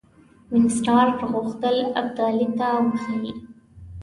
وینسیټارټ غوښتل ابدالي ته وښيي.